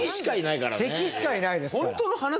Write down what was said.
敵しかいないですから。